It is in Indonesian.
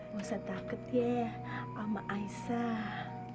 gak usah takut ya sama aisyah